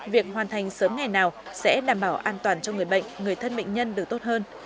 việc hoàn thành sớm ngày nào sẽ đảm bảo an toàn cho người bệnh người thân bệnh nhân được tốt hơn